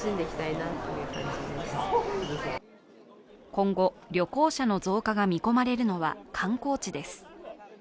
今後、旅行者の増加が見込まれるのは観光地です。